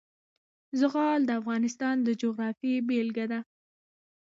زغال د افغانستان د جغرافیې بېلګه ده.